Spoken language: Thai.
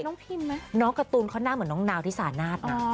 พิมไหมน้องการ์ตูนเขาหน้าเหมือนน้องนาวที่สานาทนะ